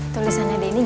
tulisannya denny gimana